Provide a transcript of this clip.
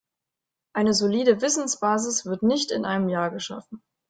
Eine solide Wissensbasis wird nicht in einem Jahr geschaffen.